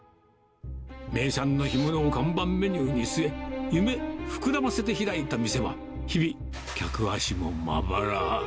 名産の干物を看板メニューに据え、夢膨らませて開いた店は、日々、客足もまばら。